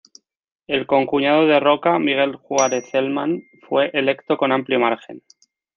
El concuñado de Roca, Miguel Juárez Celman fue electo con amplio margen.